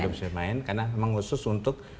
tidak bisa bermain karena memang khusus untuk